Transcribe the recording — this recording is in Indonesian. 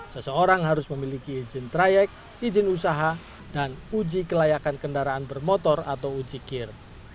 seseorang harus memiliki izin trayek izin usaha dan uji kelayakan kendaraan bermotor atau uji kir